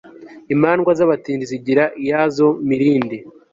imandwa z'abatindi zigira iyazo mirindi